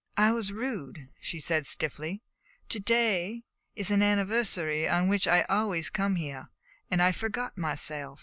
"I was rude," she said stiffly. "To day is an anniversary on which I always come here, and I forgot myself."